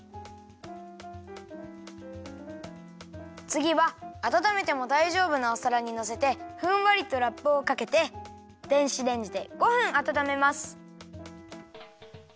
つぎはあたためてもだいじょうぶなおさらにのせてふんわりとラップをかけて電子レンジで５分あたためます。